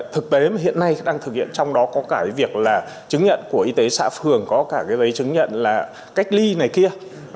thực tế mà hiện nay đang thực hiện trong đó có cả cái việc là chứng nhận của y tế xã phường có cả cái giấy chứng nhận là cách ly này kia